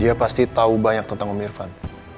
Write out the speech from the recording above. dia pasti tahu banyak tentang om irfan